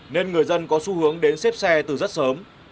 nên người dân có xu hướng đến xếp xe từ rất sớm